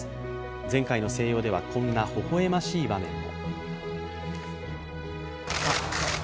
前回の静養では、こんなほほ笑ましい場面も。